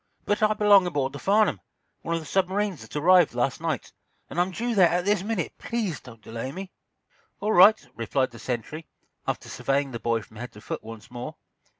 "But I belong aboard the 'Farnum,' one of the submarines that arrived last night. And I'm due there at this minute. Please don't delay me." "All right," replied the sentry, after surveying the boy from head to foot once more.